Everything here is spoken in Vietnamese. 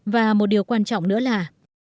và một điều quan trọng nữa là